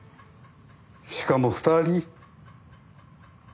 しかも２人。